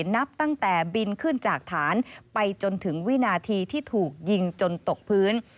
นับตั้งแต่บินขึ้นจากฐานไปจนถึงวินาทีที่ถูกยิงจนตกพื้น